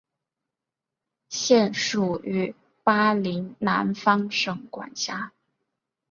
现属于巴林南方省管辖。